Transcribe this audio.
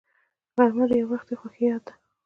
غرمه د یووختي خوښۍ یاد ده